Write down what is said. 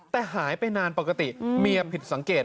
แต่หายไปนานปกติเมียผิดสังเกต